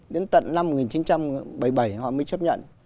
đến tận năm một nghìn chín trăm bảy mươi bảy họ mới chấp nhận